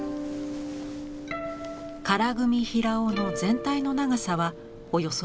唐組平緒の全体の長さはおよそ４ｍ。